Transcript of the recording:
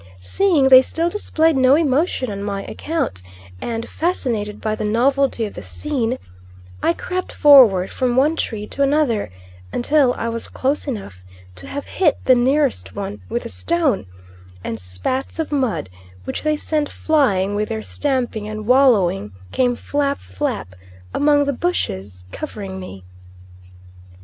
Seeing they still displayed no emotion on my account, and fascinated by the novelty of the scene, I crept forward from one tree to another, until I was close enough to have hit the nearest one with a stone, and spats of mud, which they sent flying with their stamping and wallowing came flap, flap among the bushes covering me.